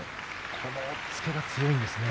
この押っつけが強いんですね。